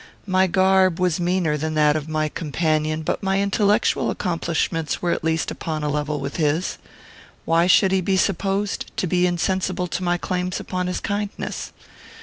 My garb was meaner than that of my companion, but my intellectual accomplishments were at least upon a level with his. Why should he be supposed to be insensible to my claims upon his kindness?